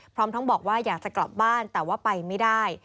พร้อมทั้งบอกว่าอยากจะกลับบ้านแต่ว่าไปไม่ได้